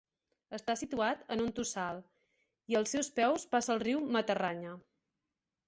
Està situat en un tossal, i als seus peus passa el riu Matarranya.